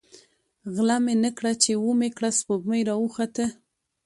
ـ غله مې نه کړه ،چې ومې کړه سپوږمۍ راوخته.